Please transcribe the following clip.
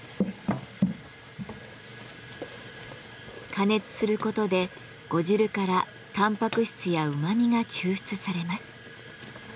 加熱することで呉汁からタンパク質やうまみが抽出されます。